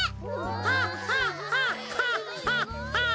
ハッハッハッハッハッハ！